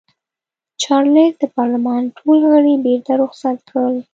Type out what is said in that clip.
چارلېز د پارلمان ټول غړي بېرته رخصت کړل.